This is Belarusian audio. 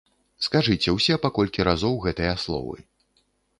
Скажыце ўсе па колькі разоў гэтыя словы.